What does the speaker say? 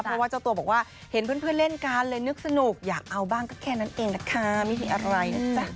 เพราะว่าเจ้าตัวบอกว่าเห็นเพื่อนเล่นกันเลยนึกสนุกอยากเอาบ้างก็แค่นั้นเองนะคะไม่มีอะไรนะจ๊ะ